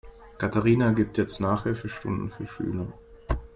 Katharina gibt jetzt Nachhilfestunden für Schüler.